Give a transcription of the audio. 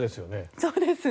そうですね。